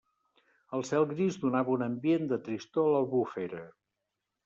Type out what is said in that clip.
El cel gris donava un ambient de tristor a l'Albufera.